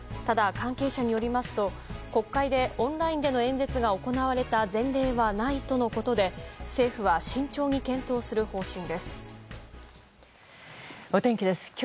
ただ、関係者によりますと国会でオンラインでの演説が行われた前例はないとのことで政府は慎重に検討する方針です。